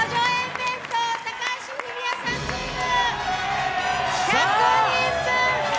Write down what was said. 弁当、高橋文哉さんチーム１００人分！